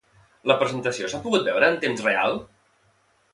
La presentació s'ha pogut veure en temps real?